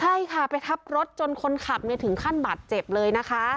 ใช่ค่ะไปทับรถจนคนขับถึงขั้นบาดเจ็บเลยนะคะ